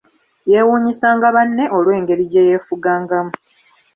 Yeewuunyisanga banne olw'engeri gye yeefugangamu.